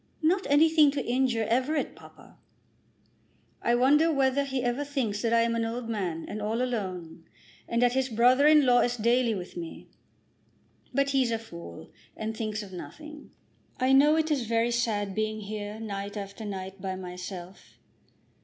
"Not anything to injure Everett, papa!" "I wonder whether he ever thinks that I am an old man and all alone, and that his brother in law is daily with me. But he's a fool, and thinks of nothing. I know it is very sad being here night after night by myself."